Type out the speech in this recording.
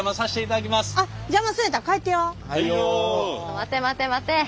待て待て待て。